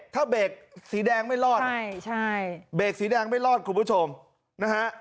ถ้าเบรกสีแดงไม่รอดใช่ใช่เบรกสีแดงไม่รอดคุณผู้ชมนะฮะ